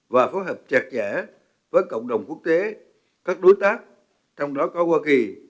và phối hợp chặt chẽ với cộng đồng quốc tế các đối tác trong đó có hoa kỳ